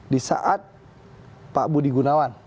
di saat pak budi gunawan